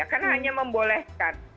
karena hanya membolehkan